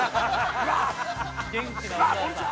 元気なお母さん。